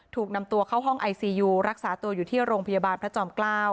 ถูกนำตัวเข้าห้องไอซียูรักษาตัวอยู่ที่โรงพยาบาลพระจอมเกล้า